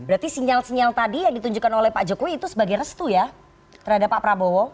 berarti sinyal sinyal tadi yang ditunjukkan oleh pak jokowi itu sebagai restu ya terhadap pak prabowo